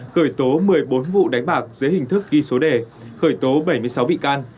khởi tố một mươi bốn vụ đánh bạc dưới hình thức ghi số đề khởi tố bảy mươi sáu bị can